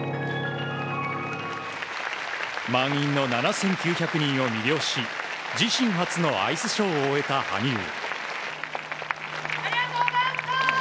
満員の７９００人を魅了し自身初のアイスショーを終えた羽生。